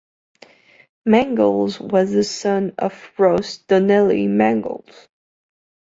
Mangles was the son of Ross Donnelly Mangles.